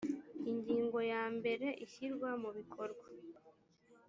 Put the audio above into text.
ingingo ya mbere ishyirwa mu bikorwa